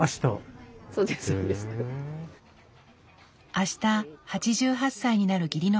明日８８歳になる義理の母。